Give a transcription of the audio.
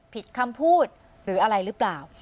ผิดคำพูดหรืออะไรหรือเปล่า